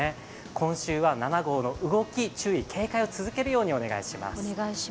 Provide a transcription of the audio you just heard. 今週は７号の動き、注意・警戒を続けるようにお願いします。